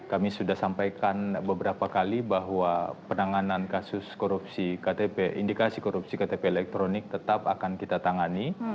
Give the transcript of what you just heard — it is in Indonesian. kami sudah sampaikan beberapa kali bahwa penanganan kasus korupsi ktp indikasi korupsi ktp elektronik tetap akan kita tangani